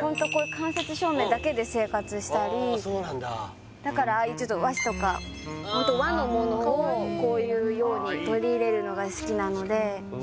ホントこういう間接照明だけで生活したりだからああいうちょっと和紙とかホント和の物をこういうように取り入れるのが好きなのでうわ